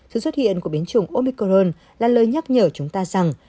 sự xuất hiện của biến chủng omicorn là lời nhắc nhở chúng ta rằng